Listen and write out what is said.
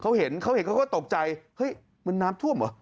เขาเห็นเขาเห็นเขาก็ตกใจเฮ้ยมันน้ำท่วมเหรอ